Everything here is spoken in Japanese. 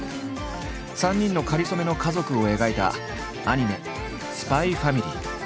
３人のかりそめの家族を描いたアニメ「ＳＰＹ×ＦＡＭＩＬＹ」。